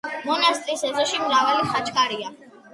მონასტრის ეზოში მრავალი ხაჩქარია.